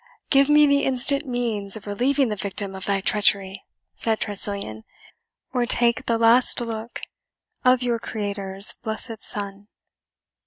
"Give me the instant means of relieving the victim of thy treachery," said Tressilian, "or take the last look of your Creator's blessed sun!"